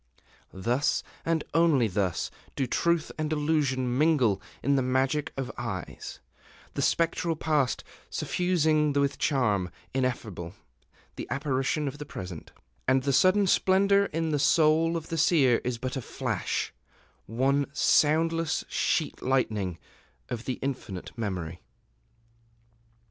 Thus, and only thus, do truth and illusion mingle in the magic of eyes, the spectral past suffusing with charm ineffable the apparition of the present; and the sudden splendor in the soul of the Seer is but a flash, one soundless sheet lightning of the Infinite Memory.